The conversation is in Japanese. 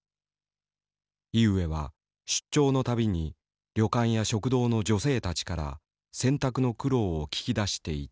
井植は出張の度に旅館や食堂の女性たちから洗濯の苦労を聞き出していた。